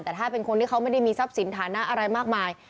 แต่ถ้าเป็นคนที่เขาไม่ได้มีทรัพย์สินฐานะอะไรมากมาย